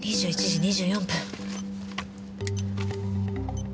２１時２４分。